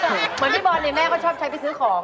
เหมือนพี่บอลเนี่ยแม่ก็ชอบใช้ไปซื้อของ